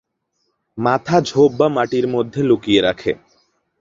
মাথা ঝোপ বা মাটির মধ্যে লুকিয়ে রাখে।